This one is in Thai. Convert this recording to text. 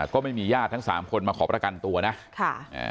ก็ไม่มีญาติทั้งสามคนมาขอประกันตัวนะค่ะอ่า